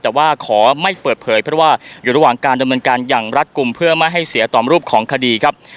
แต่ว่าขอไม่เปิดเผยเพราะว่าอยู่ระหว่างการดำเนินการอย่างรัฐกลุ่มเพื่อไม่ให้เสียต่อรูปของคดีครับ